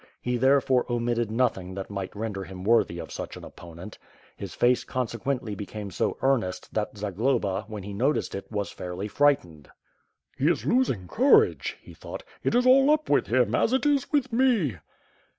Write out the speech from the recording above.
He, therefore, omitted nothing that might render him worthy of such an opponent. His face conse quently became so earnest that Zagloba, when he noticed it, was fairly frightened. "He is losing courage," he thought. "It is all up with him, as it is with me!"